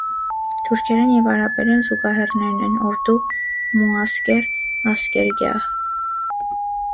Թուրքերեն և արաբերեն զուգահեռներն են՝ «օրդու», «մուասկեր», «ասկերգյահ»։